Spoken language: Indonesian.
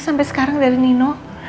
sampe sekarang dari nino